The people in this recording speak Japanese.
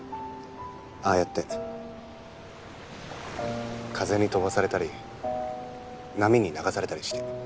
ああやって風に飛ばされたり波に流されたりして。